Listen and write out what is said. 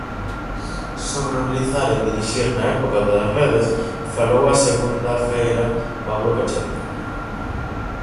Sobre realizar e dirixir na época das redes falou a segunda feira Pablo Cacheda.